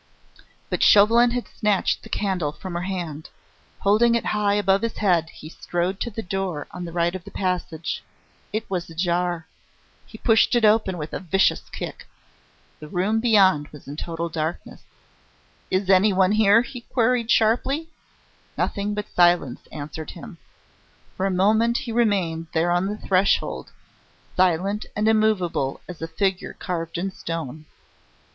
But Chauvelin had snatched the candle from her hand. Holding it high above his head, he strode to the door on the right of the passage. It was ajar. He pushed it open with a vicious kick. The room beyond was in total darkness. "Is anyone here?" he queried sharply. Nothing but silence answered him. For a moment he remained there on the threshold, silent and immovable as a figure carved in stone.